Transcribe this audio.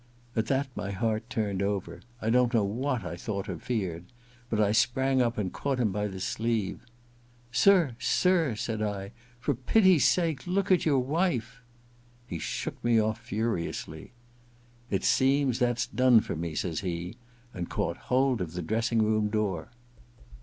At that my heart turned over. I don't know what I thought or feared ; but I sprang up and caught him by the sleeve. ^ Sir, sir/ said I, ' for pity's sake look at your wife!' He shook me off furiously. ' It seems that's done for me/ says he, and caught hold of the dressing room door.